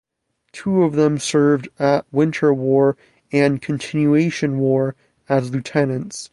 Two of them served at winter war and Continuation War as lieutenants.